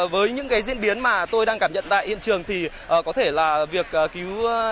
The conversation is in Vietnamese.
với những cái diễn biến mà tôi đang cảm nhận tại hiện trường thì có thể là việc cứu